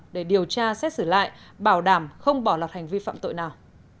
để điều tra xét xử lại bảo đảm không bỏ lọt hành vi phạm tội nào